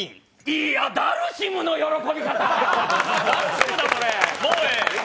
いや、ダルシムの喜び方！